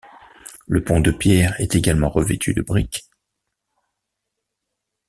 Le pont de pierre est également revêtu de briques.